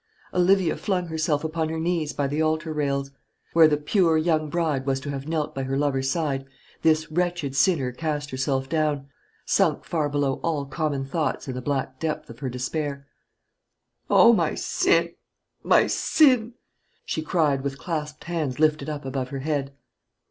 Olivia flung herself upon her knees by the altar rails. Where the pure young bride was to have knelt by her lover's side this wretched sinner cast herself down, sunk far below all common thoughts in the black depth of her despair. "O my sin, my sin!" she cried, with clasped hands lifted up above her head.